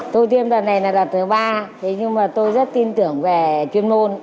tôi tiêm đợt này là đợt thứ ba nhưng tôi rất tin tưởng về chuyên môn